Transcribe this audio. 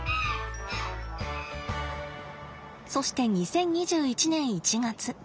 そして２０２１年１月。